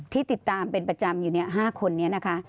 ที่ติดตามเป็นประจำอยู่๕คนนี้นะคะ